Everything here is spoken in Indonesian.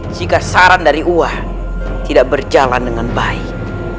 jika saran dari uah tidak berjalan dengan baik